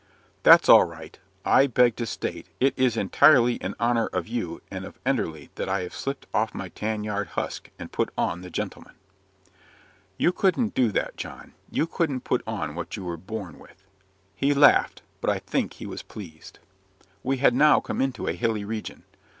"That's all right; I beg to state, it is entirely in honour of you and of Enderley that I have slipped off my tan yard husk, and put on the gentleman." "You couldn't do that, John. You couldn't put on what you were born with." He laughed but I think he was pleased. We had now come into a hilly region.